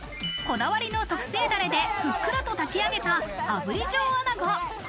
こだわりの特製ダレでふっくらと炊き上げた炙り上穴子。